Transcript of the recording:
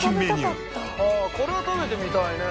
これは食べてみたいね。